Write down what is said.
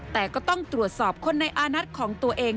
แต่ก็ต้องตรวจสอบคนในอานัทของตัวเอง